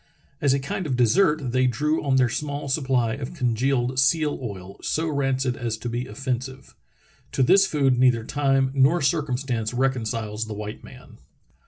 As a kind of dessert they drew on their small supply of congealed seal oil, so rancid as to be offensive. To this food neither time nor circumstance reconciles the white man.